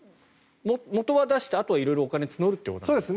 元は出してあとは色々お金を募るということですね。